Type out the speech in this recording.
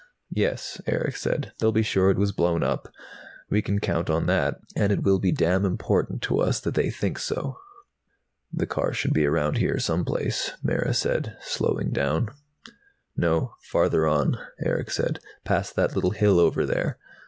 "Yes," Erick said. "They'll be sure it was blown up. We can count on that. And it will be damn important to us that they think so!" "The car should be around here, someplace," Mara said, slowing down. "No. Farther on," Erick said. "Past that little hill over there.